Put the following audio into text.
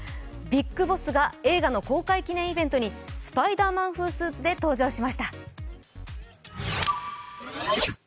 ビッグボスが映画の公開記念イベントにスパイダーマン風スーツで登場しました。